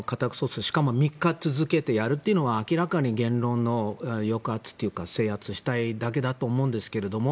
しかも３日続けてやるのは言論の抑圧というか制圧したいだけだと思うんですけれども。